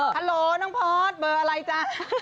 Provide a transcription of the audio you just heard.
ฮัลโหลน้องพอร์ตเบอร์อะไรจ๊ะ